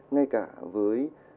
ngay cả với